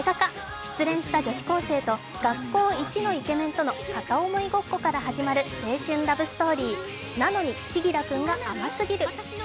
失恋した女子高生と学校一のイケメンの片思いごっこから始まる青春ラブストーリー、「なのに、千輝くんが甘すぎる」。